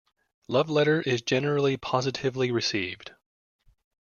"Love Letter" is generally positively received.